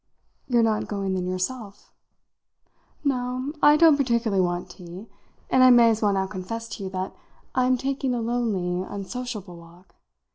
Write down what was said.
"You're not going then yourself?" "No, I don't particularly want tea; and I may as well now confess to you that I'm taking a lonely, unsociable walk.